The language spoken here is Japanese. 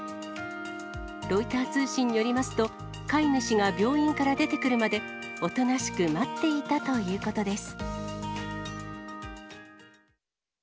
ロイター通信によりますと、飼い主が病院から出てくるまで、おとなしく待っていたということです。